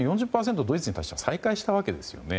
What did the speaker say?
ドイツに対して再開したわけですよね。